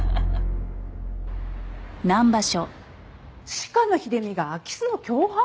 鹿野秀美が空き巣の共犯？